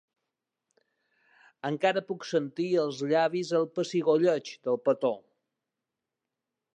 Encara puc sentir als llavis el pessigolleig del petó.